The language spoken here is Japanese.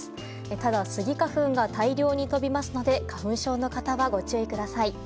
ただ、スギ花粉が大量に飛びますので花粉症の方はご注意ください。